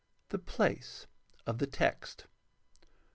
The place of the text.